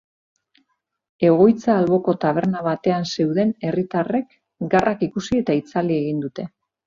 Egoitza alboko taberna batean zeuden herritarrek garrak ikusi eta itzali egin dute.